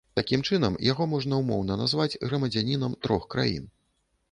Такім чынам, яго можна ўмоўна назваць грамадзянінам трох краін.